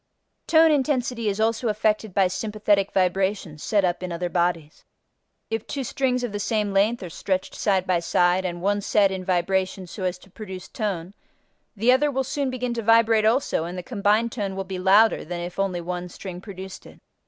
Tone intensity is also affected by sympathetic vibrations set up in other bodies. If two strings of the same length are stretched side by side and one set in vibration so as to produce tone the other will soon begin to vibrate also and the combined tone will be louder than if only one string produced it.